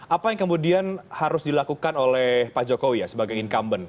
apa yang kemudian harus dilakukan oleh pak jokowi ya sebagai incumbent